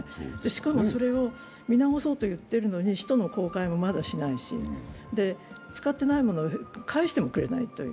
しかもそれを見直そうと言ってるのに使途の公開もまだしないし使ってないものを返してもくれないと。